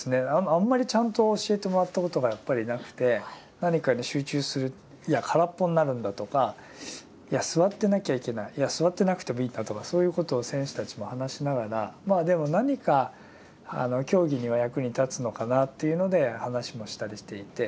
あんまりちゃんと教えてもらったことがやっぱりなくて何かに集中するいや空っぽになるんだとかいや坐ってなきゃいけないいや坐ってなくてもいいんだとかそういうことを選手たちも話しながらまあでも何か競技には役に立つのかなというので話もしたりしていて。